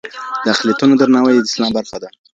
د اقليتونو درناوی د اسلام برخه ده.